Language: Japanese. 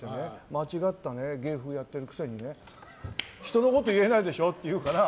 間違った芸風やってるくせにね人のこと言えないでしょって言われて。